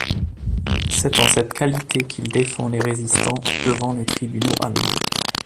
C'est en cette qualité qu'il défend les résistants devant les tribunaux allemands.